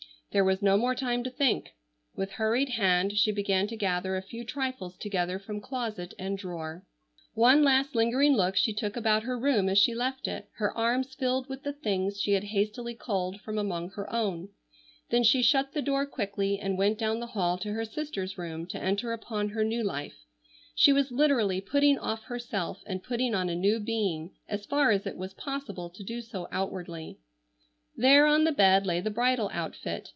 There was no more time to think. With hurried hand she began to gather a few trifles together from closet and drawer. One last lingering look she took about her room as she left it, her arms filled with the things she had hastily culled from among her own. Then she shut the door quickly and went down the hall to her sister's room to enter upon her new life. She was literally putting off herself and putting on a new being as far as it was possible to do so outwardly. There on the bed lay the bridal outfit.